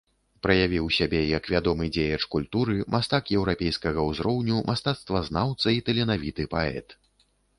Праявіў сябе як вядомы дзеяч культуры, мастак еўрапейскага ўзроўню, мастацтвазнаўца і таленавіты паэт.